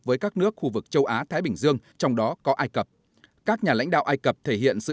với các nước khu vực châu á thái bình dương trong đó có ai cập các nhà lãnh đạo ai cập thể hiện sự